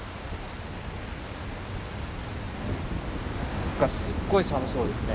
何かすごい寒そうですね